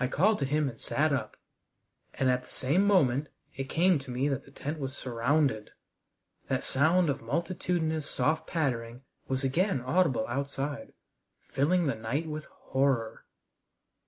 I called to him and sat up, and at the same moment it came to me that the tent was surrounded. That sound of multitudinous soft pattering was again audible outside, filling the night with horror.